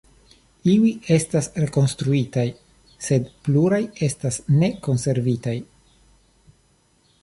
Iuj estas rekonstruitaj, sed pluraj estas ne konservitaj.